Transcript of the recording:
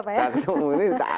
tidak ketemu ya pak